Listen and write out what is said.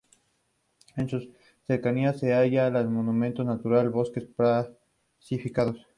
En sus cercanías se halla el monumento natural Bosques Petrificados.